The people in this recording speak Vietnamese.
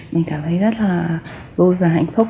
mình cảm thấy rất là vui và hạnh phúc